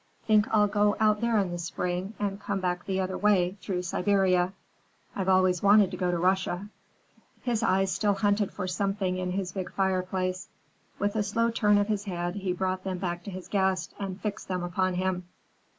Think I'll go out there in the spring, and come back the other way, through Siberia. I've always wanted to go to Russia." His eyes still hunted for something in his big fireplace. With a slow turn of his head he brought them back to his guest and fixed them upon him.